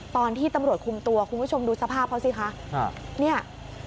ตอนที่ตำรวจคุมตัวคุณผู้ชมดูสภาพเขาสิคะเนี่ย